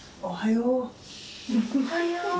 おはよう。